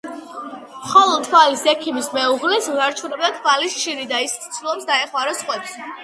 მხოლოდ თვალის ექიმის მეუღლეს უნარჩუნდება თვალის ჩინი და ის ცდილობს, დაეხმაროს სხვებს.